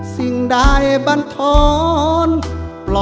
สิ่งใดบันทอนปล่อยไปเท่าไหร่